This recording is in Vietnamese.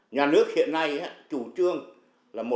nhà nước hiện nay chủ trương là một năm